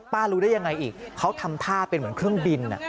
รู้ได้ยังไงอีกเขาทำท่าเป็นเหมือนเครื่องบิน